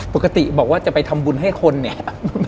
ปกติบอกว่าจะไปทำบุญให้คนเนี่ย